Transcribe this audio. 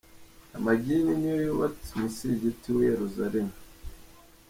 Amagini niyo yubatse umusigiti w’i Yerusalemu.